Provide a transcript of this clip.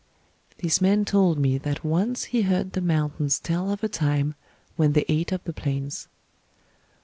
"This man told me that once he heard the mountains tell of a time when they ate up the plains.